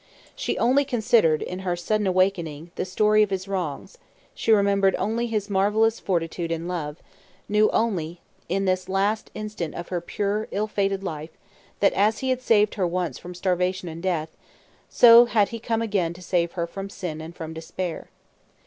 She only considered, in her sudden awakening, the story of his wrongs, remembered only his marvellous fortitude and love, knew only, in this last instant of her pure, ill fated life, that as he had saved her once from starvation and death, so had he come again to save her from sin and from despair.